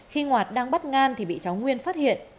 khi ngọt đang bắt ngan thì bị cháu nguyên phát hiện